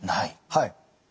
はい。